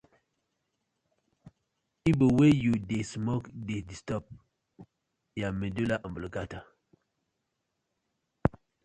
Igbo wey yu dey smoke dey disturb yah medulla oblongata.